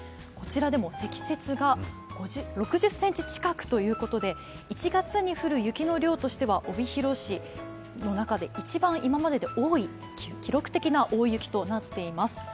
こちらでも積雪が６０ｃｍ近くということで、１月に降る雪の量としては帯広市の中で今まで一番多い記録的な大雪となっています。